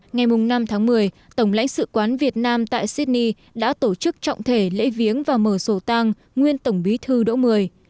ngày năm tháng một mươi tổng lãnh sự quán việt nam tại sydney đã tổ chức trọng thể lễ viếng và mở sổ tang nguyên tổng bí thư đỗ mười